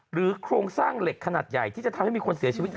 โครงสร้างเหล็กขนาดใหญ่ที่จะทำให้มีคนเสียชีวิต